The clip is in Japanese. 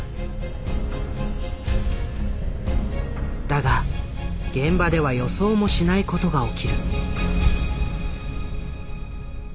だが現場では予想もしないことが起きる。